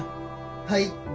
はい。